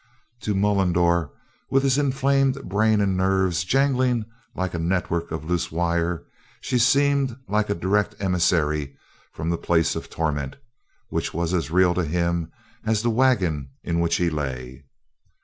To Mullendore with his inflamed brain and nerves jangling like a network of loose wire, she seemed like a direct emissary from the place of torment, which was as real to him as the wagon in which he lay.